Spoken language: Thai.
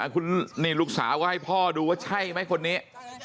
คุณนี่ลูกสาวก็ให้พ่อดูว่าใช่ไหมคนนี้